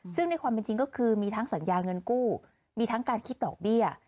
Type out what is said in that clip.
ซึ่งในความเป็นจริงก็คือมีทั้งสัญญาเงินกู้มีทั้งการคิดดอกเบี้ย